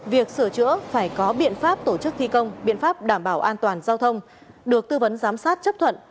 việc sửa chữa phải có biện pháp tổ chức thi công biện pháp đảm bảo an toàn giao thông được tư vấn giám sát chấp thuận